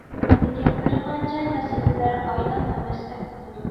لېكىن، بىر قانچە مەسىلىلەر ئايدىڭ ئەمەستەك قىلىدۇ.